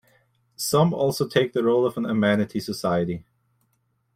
Some also take the role of an amenity society.